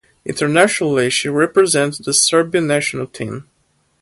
Internationally she represents the Serbian national team.